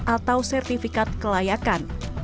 atau sertifikat kelayakan